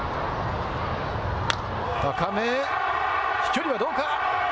高め、飛距離はどうか。